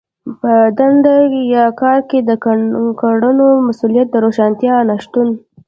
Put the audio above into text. په دنده يا کار کې د کړنو د مسوليت د روښانتيا نشتون.